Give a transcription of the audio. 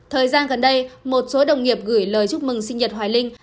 thời gian gần đây một số đồng nghiệp gửi lời chúc mừng sinh nhật hoài linh